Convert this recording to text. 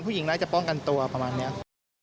ผู้หญิงน่าจะป้องกันตัวประมาณนี้ครับ